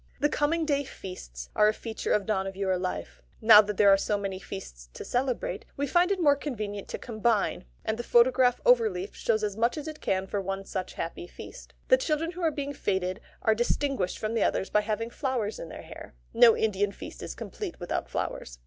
The Coming Day Feasts are a feature of Dohnavur life. Now that there are so many feasts to celebrate, we find it more convenient to combine; and the photograph overleaf shows as much as it can of one such happy feast. The children who are being fêted are distinguished from the others by having flowers in their hair. No Indian feast is complete without flowers.